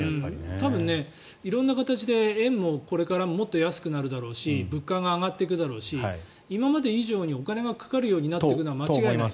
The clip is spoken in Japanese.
多分色んな形で、円もこれからもっと安くなるだろうし物価が上がっていくだろうし今まで以上にお金がかかっていくようになるのは間違いない。